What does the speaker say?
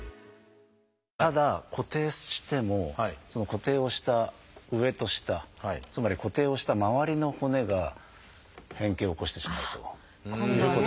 ただ固定してもその固定をした上と下つまり固定をした周りの骨が変形を起こしてしまうと。